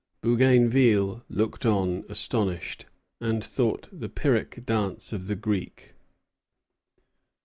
Bougainville looked on astonished, and thought of the Pyrrhic dance of the Greeks.